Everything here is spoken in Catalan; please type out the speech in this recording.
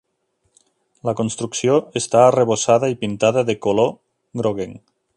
La construcció està arrebossada i pintada de color groguenc.